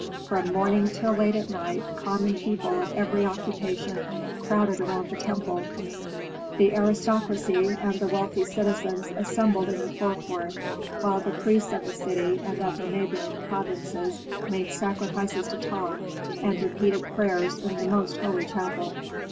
From morning till late at night common people of every occupation crowded around the temple; the aristocracy and the wealthy citizens assembled in the forecourt; while the priests of the city and of the neighboring provinces made sacrifices to Ptah and repeated prayers in the most holy chapel.